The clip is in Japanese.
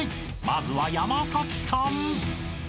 まずは山さん］